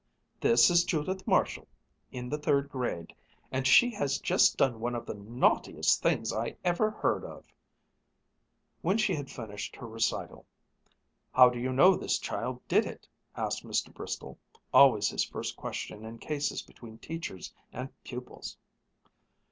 "This is Judith Marshall, in the third grade, and she has just done one of the naughtiest things I ever heard of " When she had finished her recital, "How do you know this child did it?" asked Mr. Bristol, always his first question in cases between teachers and pupils.